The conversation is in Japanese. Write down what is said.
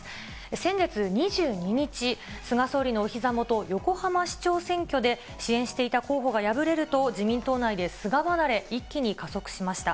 先月２２日、菅総理のおひざ元、横浜市長選挙で支援していた候補が敗れると、自民党内で菅離れ、一気に加速しました。